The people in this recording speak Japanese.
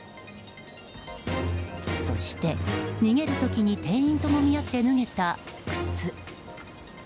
そして、逃げる時に店員ともみ合って脱げた靴。